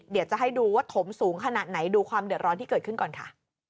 เดี๋ยวจะให้ดูว่าถมสูงขนาดไหนดูความเดือดร้อนที่เกิดขึ้นก่อนค่ะ